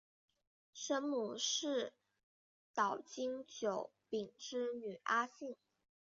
生母是岛津久丙之女阿幸。